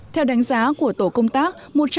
theo đánh giá của tổ công tác